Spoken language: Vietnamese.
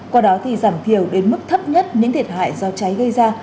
qua đó thì giảm thiểu đến mức thấp nhất những thiệt hại do cháy gây ra